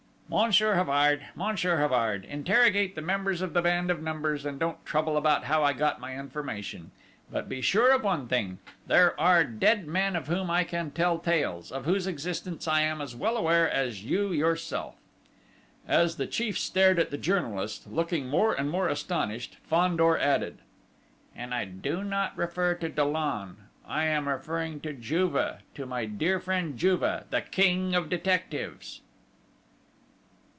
"Monsieur Havard! Monsieur Havard! Interrogate the members of the band of Numbers, and don't trouble about how I got my information ... but, be sure of one thing, there are dead men of whom I could tell tales, of whose existence I am as well aware of as you yourself!" As the chief stared at the journalist, looking more and more astonished, Fandor added: "And I do not refer to Dollon! I am referring to Juve, to my dear friend Juve, the king of detectives!"